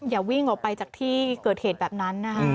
อย่าวิ่งออกไปจากที่เกิดเหตุแบบนั้นนะคะ